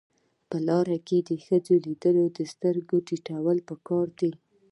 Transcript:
په لار کې د ښځې لیدل سترګې ټیټول پکار دي.